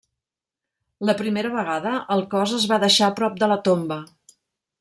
La primera vegada, el cos es va deixar prop de la tomba.